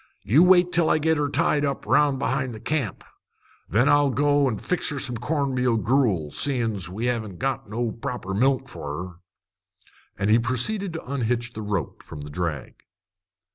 You wait till I git her tied up 'round behind the camp. Then I'll go an' fix her some corn meal gruel, seein's we haven't got no proper milk for her." And he proceeded to unhitch the rope from the drag.